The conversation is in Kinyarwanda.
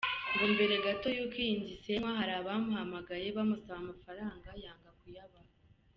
Ngo mbere gato y’ uko iyi nzu isenywa hari abamuhamagaye bamusaba amafaranga yanga kuyabaha.